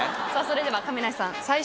それでは亀梨さん。